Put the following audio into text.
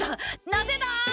なぜだ？